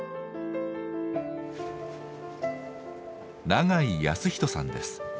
長井康仁さんです。